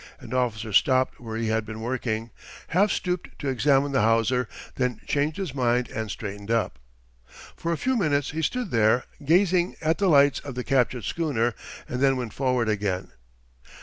An officer stopped where he had been working, half stooped to examine the hawser, then changed his mind and straightened up. For a few minutes he stood there, gazing at the lights of the captured schooner, and then went forward again.